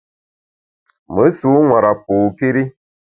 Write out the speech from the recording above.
Me sû nwara pôkéri.